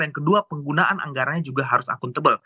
yang kedua penggunaan anggarannya juga harus akuntabel